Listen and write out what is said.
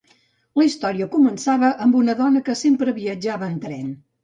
La història començava amb una dona que sempre viatjava en tren.